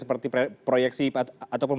seperti proyeksi ataupun